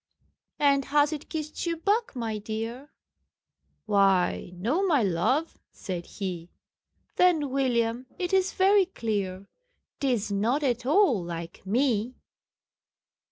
"And has it kissed you back, my dear?" "Why no my love," said he. "Then, William, it is very clear 'Tis not at all LIKE ME!"